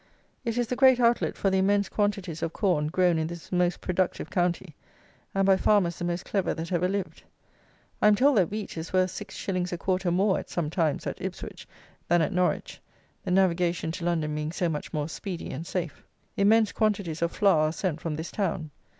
It is the great outlet for the immense quantities of corn grown in this most productive county, and by farmers the most clever that ever lived. I am told that wheat is worth six shillings a quarter more, at some times, at Ipswich than at Norwich, the navigation to London being so much more speedy and safe. Immense quantities of flour are sent from this town.